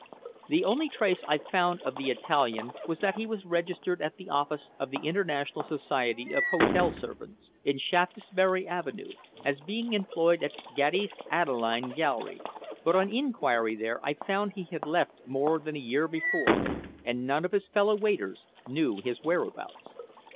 The only trace I found of the Italian was that he was registered at the office of the International Society of Hotel Servants, in Shaftesbury Avenue, as being employed at Gatti's Adelaide Gallery, but on inquiry there I found he had left more than a year before, and none of his fellow waiters knew his whereabouts.